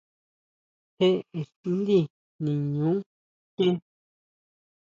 ¿Jé íxtidí niñu kjien?